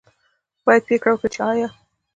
باید پرېکړه وکړي چې آیا